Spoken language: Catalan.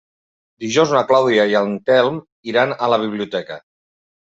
Dijous na Clàudia i en Telm iran a la biblioteca.